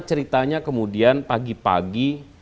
ceritanya kemudian pagi pagi